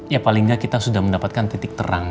ya paling nggak kita sudah mendapatkan titik terang